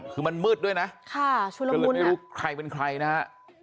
คือมันมืดด้วยนะชุดลมบุญแหละคะได้ไม่รู้ใครเป็นใครนะคะ